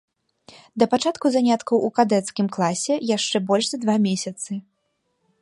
Да пачатку заняткаў ў кадэцкім класе яшчэ больш за два месяцы.